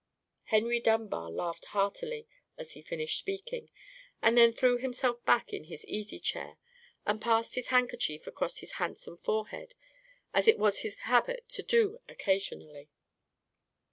Henry Dunbar laughed heartily as he finished speaking, and then threw himself back in his easy chair, and passed his handkerchief across his handsome forehead, as it was his habit to do occasionally.